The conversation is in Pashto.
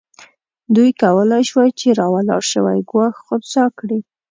دوی کولای شوای چې راولاړ شوی ګواښ خنثی کړي.